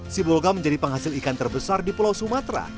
sibolga menjadi penghasil ikan terbesar di pulau sumatera